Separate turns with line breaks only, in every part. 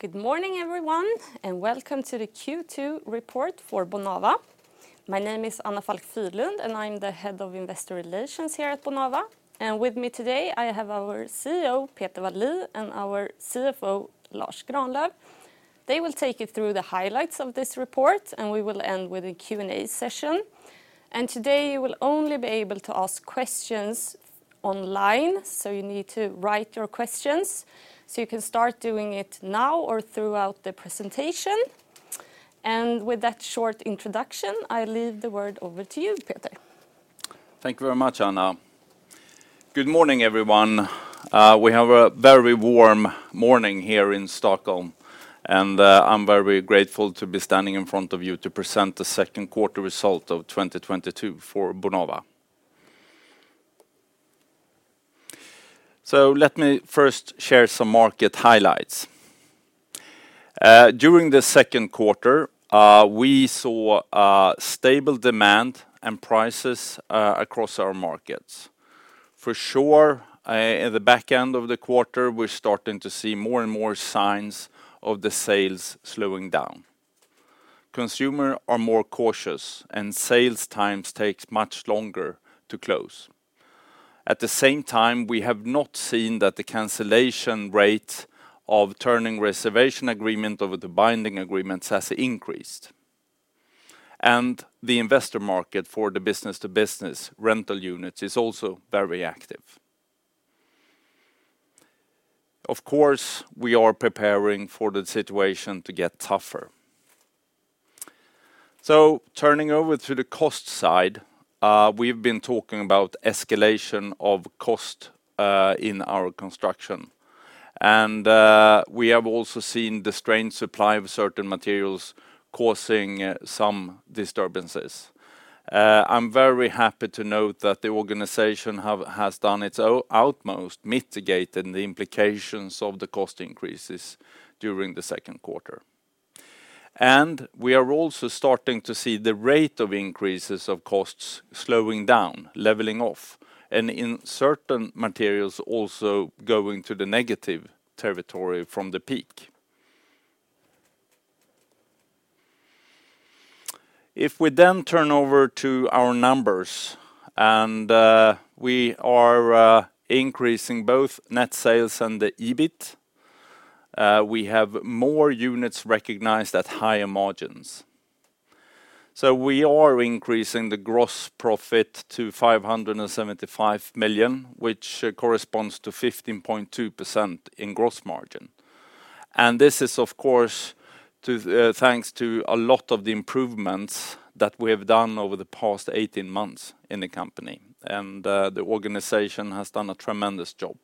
Good morning, everyone, and welcome to the Q2 report for Bonava. My name is Anna Falck Fyhrlund, and I'm the Head of Investor Relations here at Bonava. With me today, I have our CEO, Peter Wallin, and our CFO, Lars Granlöf. They will take you through the highlights of this report, and we will end with a Q&A session. Today, you will only be able to ask questions online, so you need to write your questions. You can start doing it now or throughout the presentation. With that short introduction, I leave the word over to you, Peter.
Thank you very much, Anna. Good morning, everyone. We have a very warm morning here in Stockholm, and I'm very grateful to be standing in front of you to present the second quarter results of 2022 for Bonava. Let me first share some market highlights. During the second quarter, we saw stable demand and prices across our markets. For sure, in the back end of the quarter, we're starting to see more and more signs of the sales slowing down. Consumers are more cautious, and sales times take much longer to close. At the same time, we have not seen that the cancellation rate of turning reservation agreements over to the binding agreements has increased. The investor market for the business-to-business rental units is also very active. Of course, we are preparing for the situation to get tougher. Turning over to the cost side, we've been talking about escalation of cost in our construction. We have also seen the strained supply of certain materials causing some disturbances. I'm very happy to note that the organization has done its utmost mitigating the implications of the cost increases during the second quarter. We are also starting to see the rate of increases of costs slowing down, leveling off, and in certain materials also going to the negative territory from the peak. If we then turn over to our numbers, we are increasing both net sales and the EBIT. We have more units recognized at higher margins. We are increasing the gross profit to 575 million, which corresponds to 15.2% in gross margin. This is, of course, thanks to a lot of the improvements that we have done over the past 18 months in the company. The organization has done a tremendous job.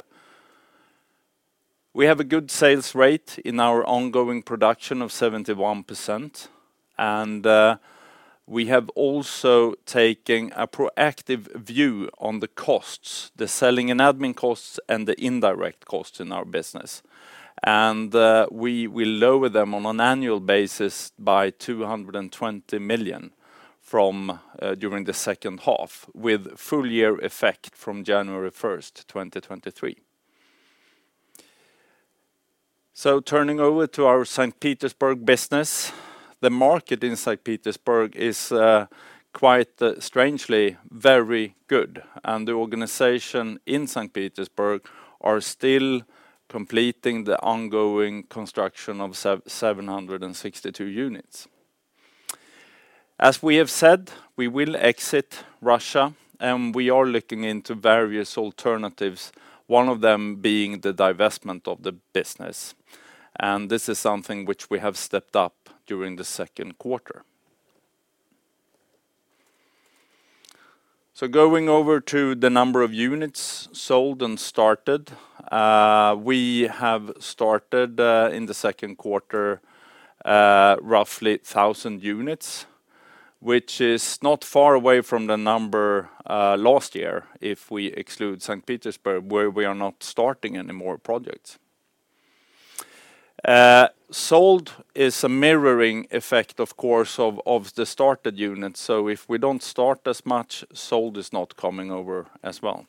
We have a good sales rate in our ongoing production of 71%. We have also taken a proactive view on the costs, the selling and admin costs, and the indirect costs in our business. We will lower them on an annual basis by 220 million from during the second half, with full year effect from January 1, 2023. Turning over to our St. Petersburg business. The market in St. Petersburg is quite strangely very good. The organization in St. Petersburg are still completing the ongoing construction of 762 units. As we have said, we will exit Russia, and we are looking into various alternatives, one of them being the divestment of the business. This is something which we have stepped up during the second quarter. Going over to the number of units sold and started. We have started in the second quarter roughly 1,000 units, which is not far away from the number last year if we exclude St. Petersburg, where we are not starting any more projects. Sold is a mirroring effect, of course, of the started units. If we don't start as much, sold is not coming over as well.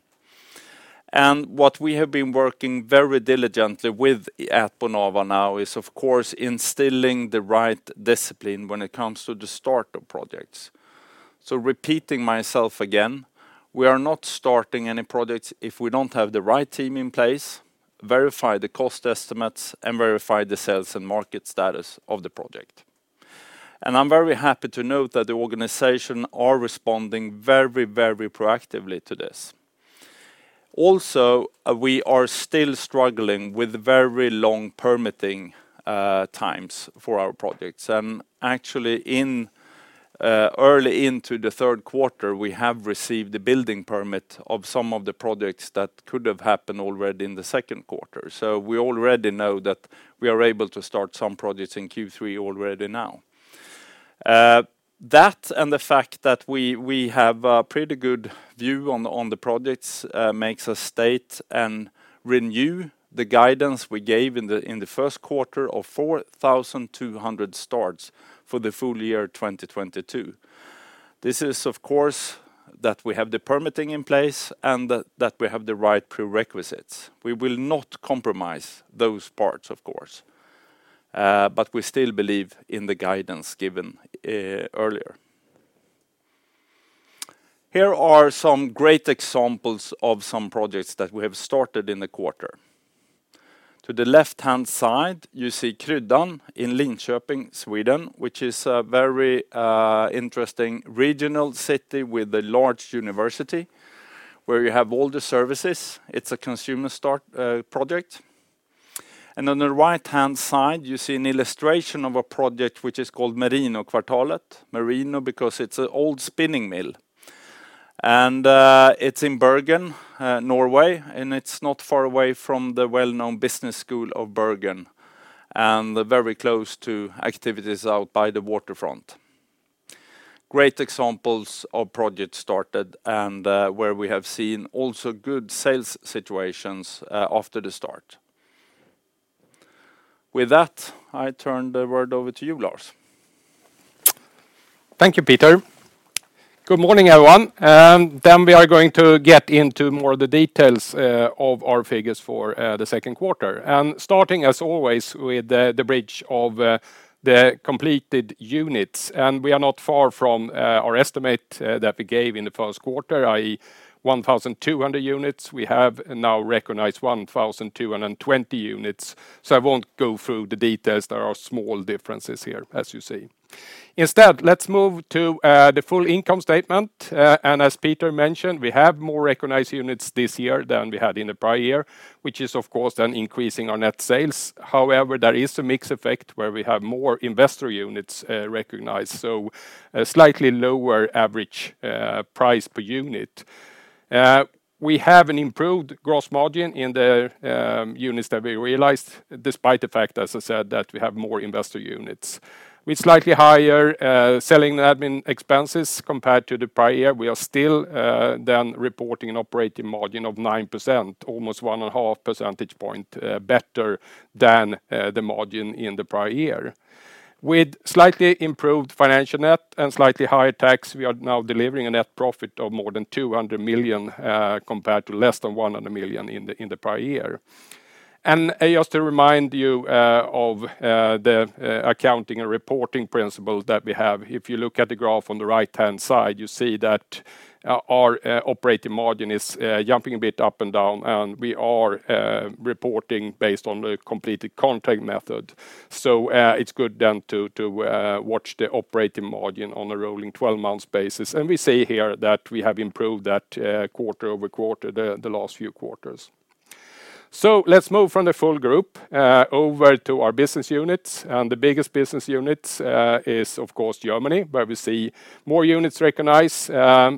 What we have been working very diligently with at Bonava now is of course instilling the right discipline when it comes to the start of projects. Repeating myself again, we are not starting any projects if we don't have the right team in place, verify the cost estimates, and verify the sales and market status of the project. I'm very happy to note that the organization are responding very, very proactively to this. Also, we are still struggling with very long permitting times for our projects. Actually in early into the third quarter, we have received the building permit of some of the projects that could have happened already in the second quarter. We already know that we are able to start some projects in Q3 already now. That and the fact that we have a pretty good view on the projects makes us state and renew the guidance we gave in the first quarter of 4,200 starts for the full year 2022. This is, of course, that we have the permitting in place, and that we have the right prerequisites. We will not compromise those parts, of course. We still believe in the guidance given earlier. Here are some great examples of some projects that we have started in the quarter. To the left-hand side, you see Kryddan in Linköping, Sweden, which is a very interesting regional city with a large university where you have all the services. It's a consumer start project. On the right-hand side, you see an illustration of a project which is called Merinokvartalet. Merinokvartalet because it's an old spinning mill. It's in Bergen, Norway, and it's not far away from the well-known business school of Bergen, and very close to activities out by the waterfront. Great examples of projects started and where we have seen also good sales situations after the start. With that, I turn the word over to you, Lars.
Thank you, Peter. Good morning, everyone. We are going to get into more of the details of our figures for the second quarter. Starting as always with the bridge of the completed units. We are not far from our estimate that we gave in the first quarter, i.e., 1,200 units. We have now recognized 1,220 units. I won't go through the details. There are small differences here, as you see. Instead, let's move to the full income statement. As Peter mentioned, we have more recognized units this year than we had in the prior year, which is of course then increasing our net sales. However, there is a mix effect where we have more investor units recognized, so a slightly lower average price per unit. We have an improved gross margin in the units that we realized despite the fact, as I said, that we have more investor units. With slightly higher SG&A expenses compared to the prior year, we are still then reporting an operating margin of 9%, almost 1.5 percentage point better than the margin in the prior year. With slightly improved financial net and slightly higher tax, we are now delivering a net profit of more than 200 million compared to less than 100 million in the prior year. Just to remind you of the accounting and reporting principles that we have. If you look at the graph on the right-hand side, you see that our operating margin is jumping a bit up and down, and we are reporting based on the completed contract method. It’s good then to watch the operating margin on a rolling 12-month basis. We see here that we have improved that quarter-over-quarter the last few quarters. Let’s move from the full group over to our business units. The biggest business units is of course Germany, where we see more units recognized,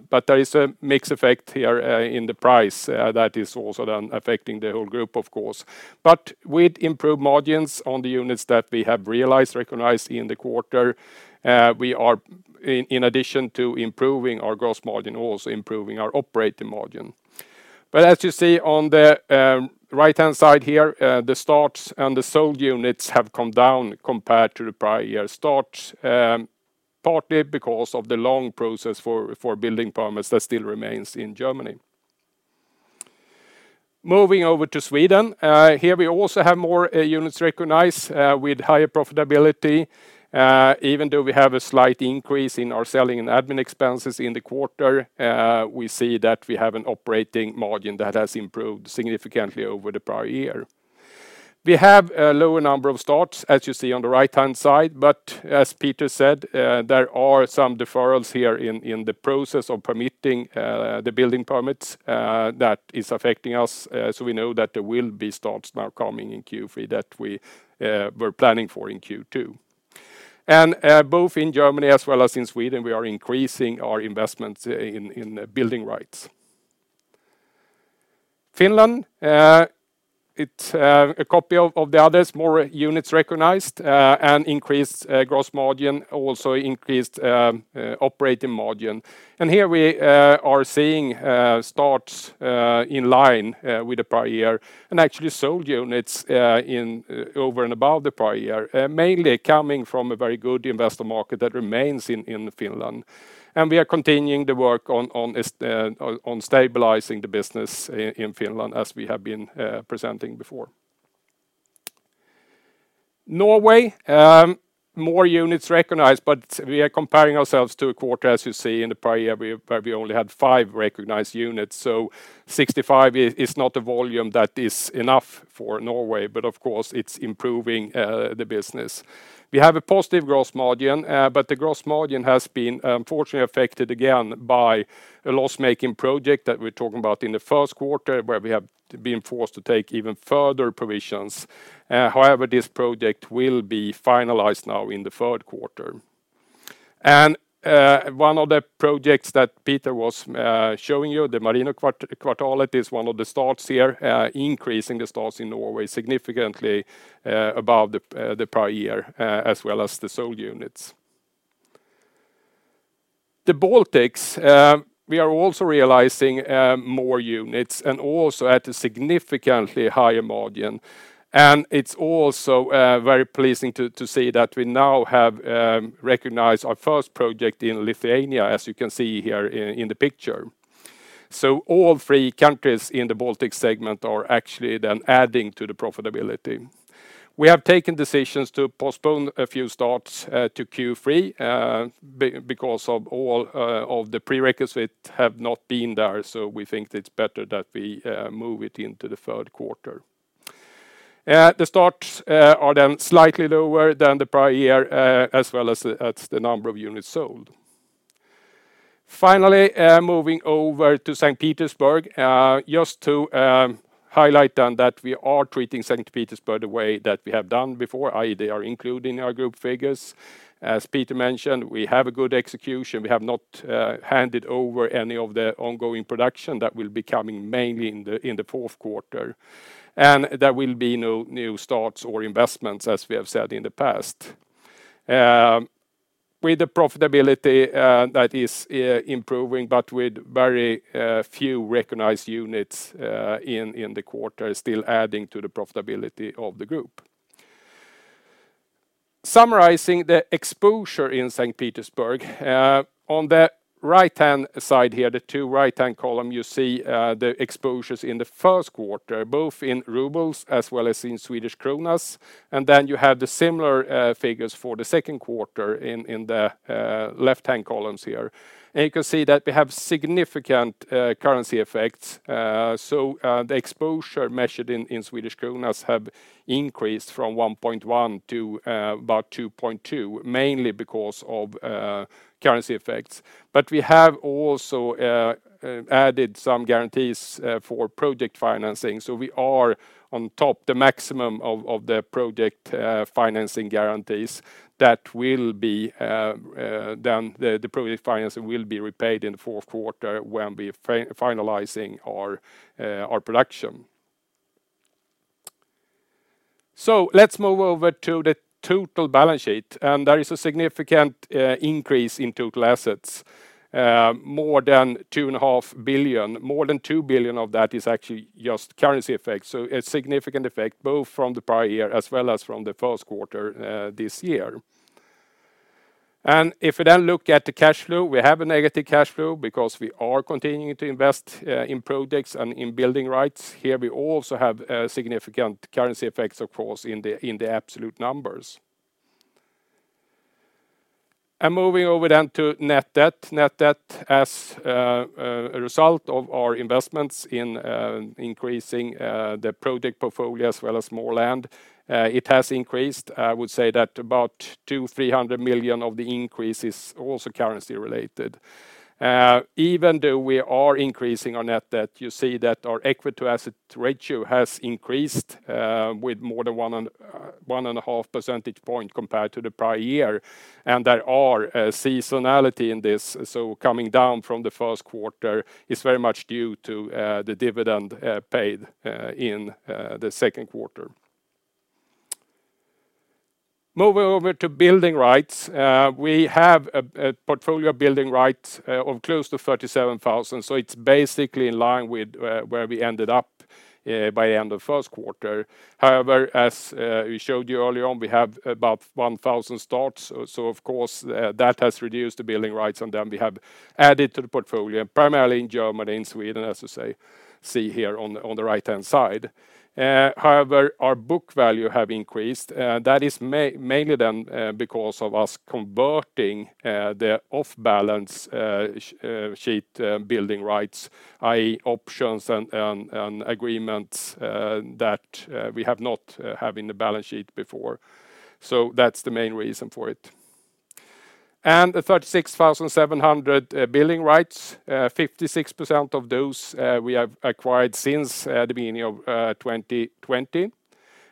but there is a mix effect here in the price that is also then affecting the whole group, of course. With improved margins on the units that we have realized, recognized in the quarter, we are, in addition to improving our gross margin, also improving our operating margin. As you see on the right-hand side here, the starts and the sold units have come down compared to the prior year starts, partly because of the long process for building permits that still remains in Germany. Moving over to Sweden. Here we also have more units recognized with higher profitability. Even though we have a slight increase in our selling and admin expenses in the quarter, we see that we have an operating margin that has improved significantly over the prior year. We have a lower number of starts, as you see on the right-hand side, but as Peter said, there are some deferrals here in the process of permitting, the building permits, that is affecting us. We know that there will be starts now coming in Q3 that we were planning for in Q2. Both in Germany as well as in Sweden, we are increasing our investments in building rights. Finland, it's a copy of the others. More units recognized, and increased gross margin, also increased operating margin. Here we are seeing starts in line with the prior year, and actually sold units in over and above the prior year, mainly coming from a very good investor market that remains in Finland. We are continuing the work on stabilizing the business in Finland as we have been presenting before. Norway, more units recognized, but we are comparing ourselves to a quarter, as you see in the prior year where we only had five recognized units. 65 is not the volume that is enough for Norway, but of course, it's improving the business. We have a positive gross margin, but the gross margin has been unfortunately affected again by a loss-making project that we're talking about in the first quarter where we have been forced to take even further provisions. However, this project will be finalized now in the third quarter. One of the projects that Peter was showing you, the Merinokvartalet, is one of the starts here, increasing the starts in Norway significantly above the prior year, as well as the sold units. The Baltics, we are also realizing more units and also at a significantly higher margin. It's also very pleasing to see that we now have recognized our first project in Lithuania, as you can see here in the picture. All three countries in the Baltic segment are actually then adding to the profitability. We have taken decisions to postpone a few starts to Q3 because of all of the prerequisite have not been there, so we think it's better that we move it into the third quarter. The starts are then slightly lower than the prior year, as well as the number of units sold. Finally, moving over to St. Petersburg, just to highlight then that we are treating St. Petersburg the way that we have done before, i.e., they are included in our group figures. As Peter mentioned, we have a good execution. We have not handed over any of the ongoing production that will be coming mainly in the fourth quarter. There will be no new starts or investments, as we have said in the past. With the profitability that is improving but with very few recognized units in the quarter still adding to the profitability of the group. Summarizing the exposure in St. Petersburg, on the right-hand side here, the two right-hand columns, you see, the exposures in the first quarter, both in rubles as well as in Swedish kronas. Then you have the similar figures for the second quarter in the left-hand columns here. You can see that we have significant currency effects. The exposure measured in Swedish kronas have increased from 1.1 to about 2.2, mainly because of currency effects. We have also added some guarantees for project financing. We are on top of the maximum of the project financing guarantees that will be. Then the project financing will be repaid in the fourth quarter when we finalizing our production. Let's move over to the total balance sheet. There is a significant increase in total assets, more than 2.5 billion. More than 2 billion of that is actually just currency effects. There is a significant effect both from the prior year as well as from the first quarter this year. If we then look at the cash flow, we have a negative cash flow because we are continuing to invest in projects and in building rights. Here we also have significant currency effects, of course, in the absolute numbers. Moving over then to net debt. Net debt as a result of our investments in increasing the project portfolio as well as more land, it has increased. I would say that about 200 million-300 million of the increase is also currency related. Even though we are increasing our net debt, you see that our equity-to-asset ratio has increased with more than 1.5 percentage points compared to the prior year. There is seasonality in this, so coming down from the first quarter is very much due to the dividend paid in the second quarter. Moving over to building rights. We have a portfolio of building rights of close to 37,000, so it's basically in line with where we ended up by the end of the first quarter. However, as we showed you earlier on, we have about 1,000 starts, so of course that has reduced the building rights, and then we have added to the portfolio primarily in Germany and Sweden, as you can see here on the right-hand side. However, our book value has increased. That is mainly then because of us converting the off-balance-sheet building rights, i.e., options and agreements that we have not had in the balance sheet before. That's the main reason for it. The 36,700 building rights, 56% of those we have acquired since the beginning of 2020.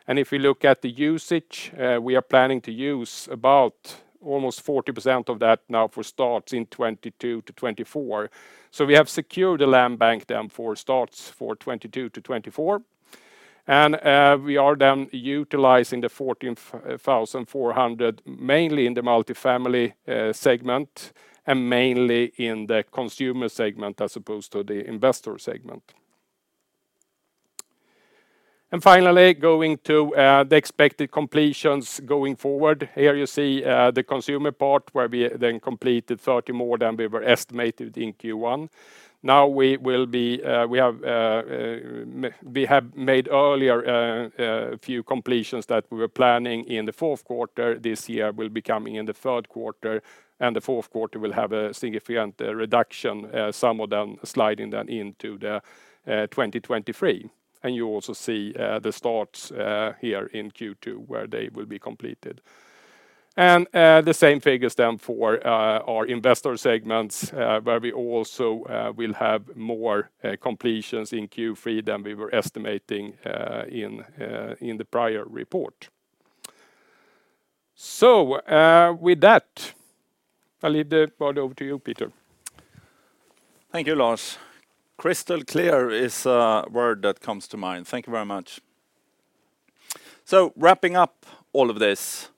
If you look at the usage, we are planning to use about almost 40% of that now for starts in 2022 to 2024. We have secured the land bank then for starts for 2022 to 2024. We are then utilizing the 14,400 mainly in the multifamily segment and mainly in the consumer segment as opposed to the investor segment. Finally, going to the expected completions going forward. Here you see the consumer part where we then completed 30 more than we were estimated in Q1. Now we will be, we have made earlier few completions that we were planning in the fourth quarter this year will be coming in the third quarter, and the fourth quarter will have a significant reduction, some of them sliding then into the 2023. You also see the starts here in Q2 where they will be completed. The same figures then for our investor segments where we also will have more completions in Q3 than we were estimating in the prior report. With that, I leave the part over to you, Peter.
Thank you, Lars. Crystal clear is a word that comes to mind. Thank you very much. Wrapping up all of this,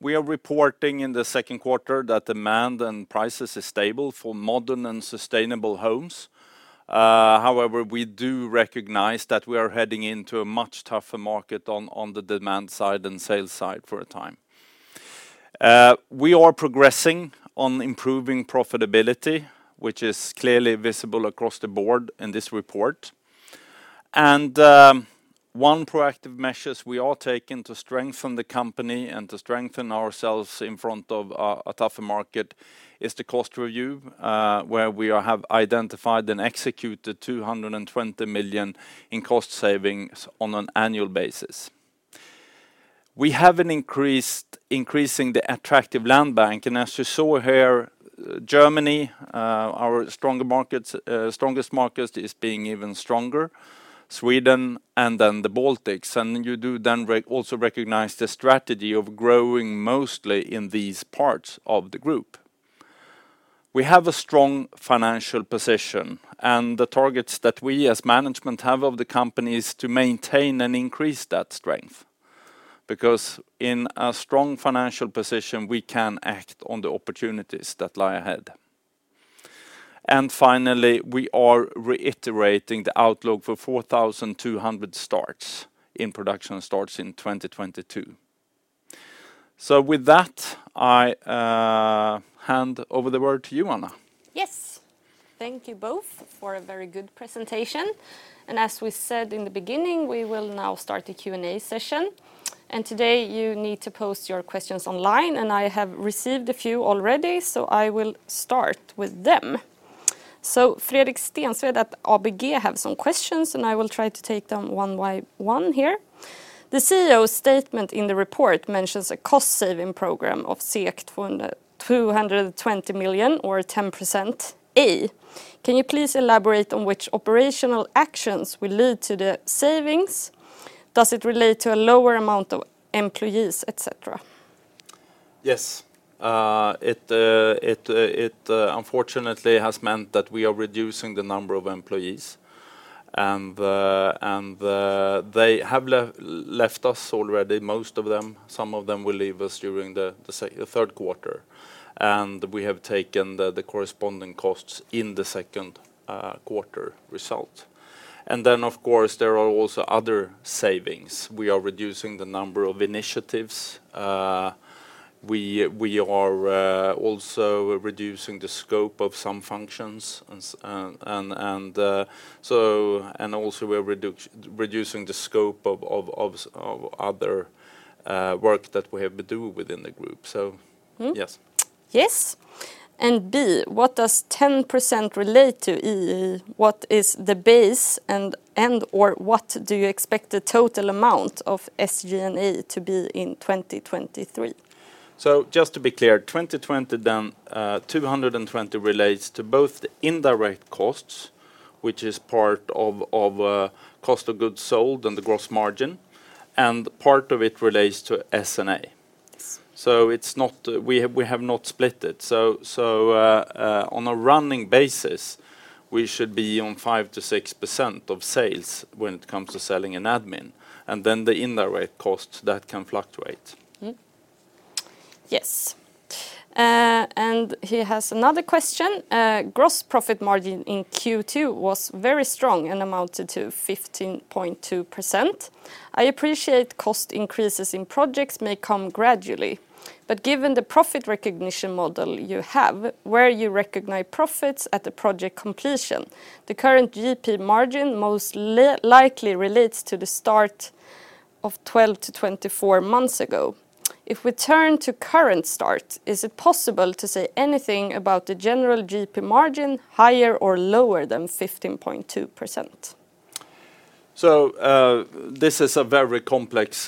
we are reporting in the second quarter that demand and prices is stable for modern and sustainable homes. However, we do recognize that we are heading into a much tougher market on the demand side and sales side for a time. We are progressing on improving profitability, which is clearly visible across the board in this report. One proactive measures we are taking to strengthen the company and to strengthen ourselves in front of a tougher market is the cost review, where we have identified and executed 220 million in cost savings on an annual basis. We are increasing the attractive land bank. As you saw here, Germany, our stronger markets, strongest market is being even stronger. Sweden and then the Baltics, and you do then also recognize the strategy of growing mostly in these parts of the group. We have a strong financial position, and the targets that we as management have of the company is to maintain and increase that strength. Because in a strong financial position, we can act on the opportunities that lie ahead. Finally, we are reiterating the outlook for 4,200 starts in production starts in 2022. With that, I hand over the word to you, Anna.
Yes. Thank you both for a very good presentation. As we said in the beginning, we will now start the Q&A session. Today, you need to post your questions online, and I have received a few already, so I will start with them. Fredrik Stensved at ABG have some questions, and I will try to take them one by one here. The CEO statement in the report mentions a cost saving program of 220 million or 10%. A, can you please elaborate on which operational actions will lead to the savings? Does it relate to a lower amount of employees, et cetera?
Yes. It unfortunately has meant that we are reducing the number of employees. They have left us already, most of them. Some of them will leave us during the third quarter. We have taken the corresponding costs in the second quarter result. Of course, there are also other savings. We are reducing the number of initiatives. We are also reducing the scope of some functions. We are also reducing the scope of other work that we have to do within the group. Yes.
Yes. B, what does 10% relate to EBIT? What is the base and or what do you expect the total amount of SG&A to be in 2023?
Just to be clear, 2020, then, 220 relates to both the indirect costs, which is part of cost of goods sold and the gross margin, and part of it relates to SG&A.
Yes.
We have not split it. On a running basis, we should be on 5%-6% of sales when it comes to selling and admin. Then the indirect costs, that can fluctuate.
Yes. He has another question. Gross profit margin in Q2 was very strong and amounted to 15.2%. I appreciate cost increases in projects may come gradually. Given the profit recognition model you have where you recognize profits at the project completion, the current GP margin most likely relates to the start of 12-24 months ago. If we turn to current start, is it possible to say anything about the general GP margin higher or lower than 15.2%?
This is a very complex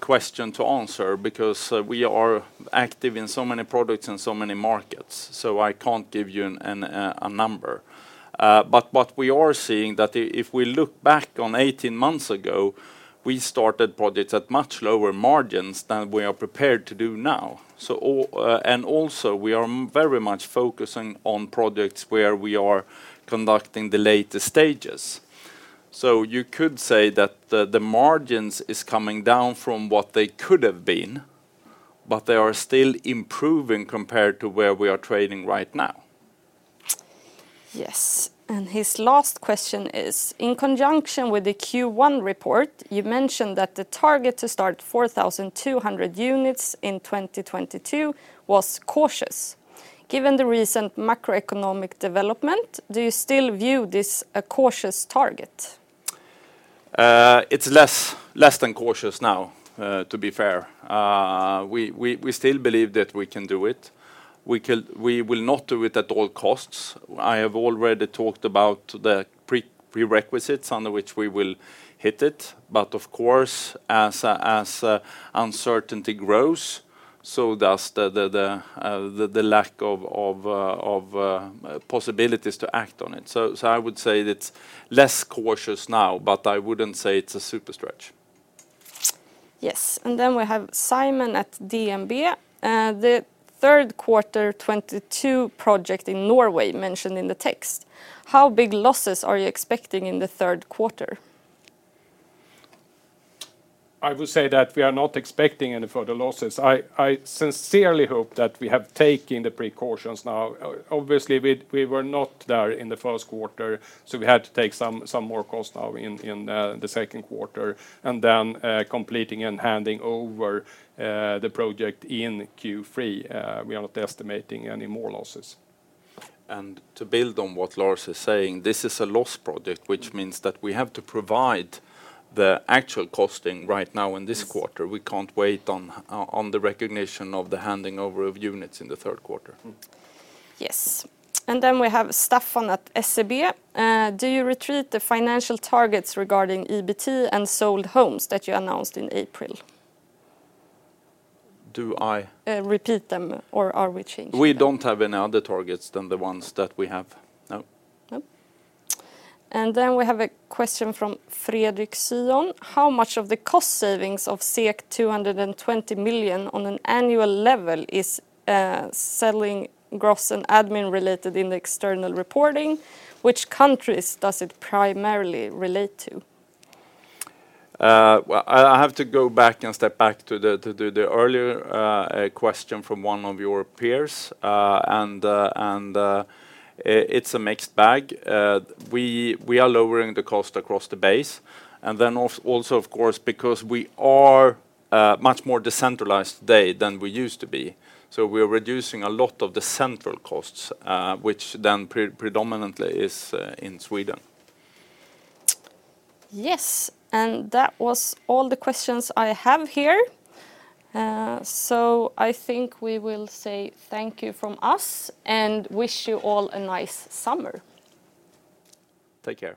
question to answer because we are active in so many products and so many markets, so I can't give you a number. What we are seeing that if we look back on 18 months ago, we started projects at much lower margins than we are prepared to do now. Also, we are very much focusing on projects where we are conducting the later stages. You could say that the margins is coming down from what they could have been, but they are still improving compared to where we are trading right now.
Yes. His last question is, in conjunction with the Q1 report, you mentioned that the target to start 4,200 units in 2022 was cautious. Given the recent macroeconomic development, do you still view this a cautious target?
It's less than cautious now, to be fair. We still believe that we can do it. We will not do it at all costs. I have already talked about the prerequisites under which we will hit it. Of course, as uncertainty grows, so does the lack of possibilities to act on it. I would say it's less cautious now, but I wouldn't say it's a super stretch.
Yes. We have Simon at DNB. The third quarter 2022 project in Norway mentioned in the text, how big losses are you expecting in the third quarter?
I would say that we are not expecting any further losses. I sincerely hope that we have taken the precautions now. Obviously, we were not there in the first quarter, so we had to take some more costs now in the second quarter. Completing and handing over the project in Q3, we are not estimating any more losses. To build on what Lars is saying, this is a loss project, which means that we have to provide the actual costing right now in this quarter. We can't wait on the recognition of the handing over of units in the third quarter.
Yes. We have Staffan at SEB. Do you reiterate the financial targets regarding EBT and sold homes that you announced in April?
Do I?
Repeat them or are we changing them?
We don't have any other targets than the ones that we have. No.
No. Then we have a question from Fredrik Hammarbäck. How much of the cost savings of 220 million on an annual level is selling general and admin related in the external reporting? Which countries does it primarily relate to?
Well, I have to go back and step back to the earlier question from one of your peers. It's a mixed bag. We are lowering the cost across the base. Also, of course, because we are much more decentralized today than we used to be. We're reducing a lot of the central costs, which then predominantly is in Sweden.
Yes. That was all the questions I have here. I think we will say thank you from us and wish you all a nice summer.
Take care.